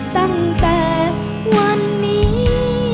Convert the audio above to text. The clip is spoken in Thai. ตั้งแต่วันนี้